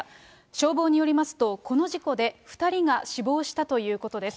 消防によりますと、この事故で２人が死亡したということです。